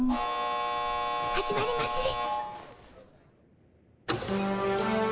始まりまする。